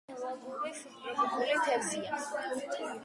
პელაგიური სუბტროპიკული თევზია.